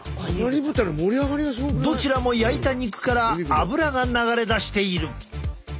どちらも焼いた肉からアブラが流れ出している。